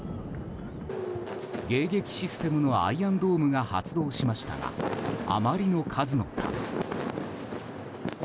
迎撃システムのアイアンドームが発動しましたがあまりの数のため。